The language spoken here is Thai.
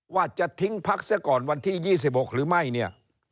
ว่าจะทิ้งพักเสียก่อนวันที่๒๖หรือไม่เนี่ย